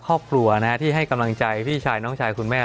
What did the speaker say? ครอบครัวที่ให้กำลังใจพี่ชายน้องชายคุณแม่